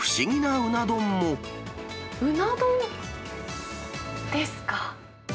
うな丼ですか？